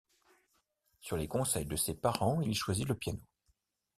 Sur les conseils de ses parents, il choisit le piano.